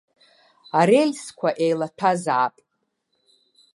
Арельсқәа еилаҭәазаап.